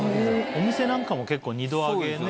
お店なんかも結構２度揚げね。